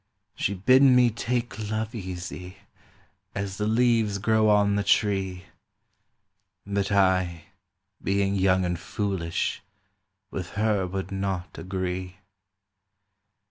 She bid me take love easy, as the leaves grow on the tree; But I, being young and foolish, with her would not agree.